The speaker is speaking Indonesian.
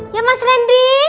ya mas randy